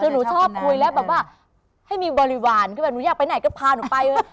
คือหนูชอบคุยแล้วแบบว่าให้มีบริวารคือแบบหนูอยากไปไหนก็พาหนูไป